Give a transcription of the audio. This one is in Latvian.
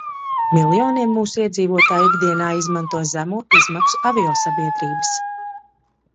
Miljoniem mūsu iedzīvotāju ikdienā izmanto zemo izmaksu aviosabiedrības.